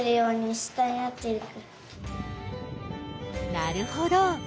なるほど。